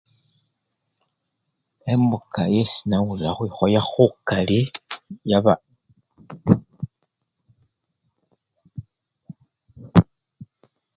Embuka esii nawulila khukhwikhoya khukali, yaba